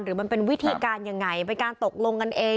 หรือมันเป็นวิธีการยังไงเป็นการตกลงกันเอง